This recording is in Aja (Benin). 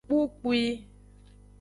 Kpukpwi.